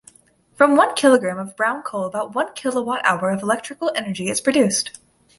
From one kilogram of brown coal about one kilowatt-hour of electrical energy is produced.